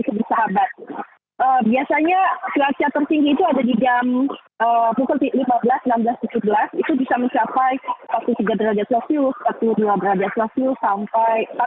cuaca cuaca tertinggi itu ada di jam pukul lima belas enam belas tujuh belas itu bisa mencapai